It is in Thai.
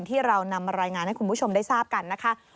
ที่เรานำมารายงานให้คุณผู้ชมได้ทราบกันนะคะ